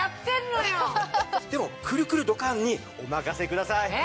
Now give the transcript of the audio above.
でも「くるくるドッカーン！」にお任せください。